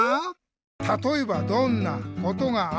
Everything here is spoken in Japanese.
「たとえばどんなことがあったのか」